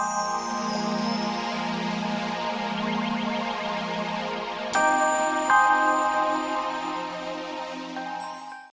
terima kasih dok